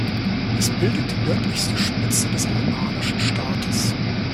Es bildet die nördlichste Spitze des albanischen Staates.